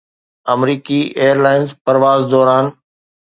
آمريڪي airlines پرواز دوران